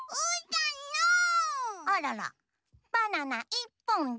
あららバナナいっぽんだ。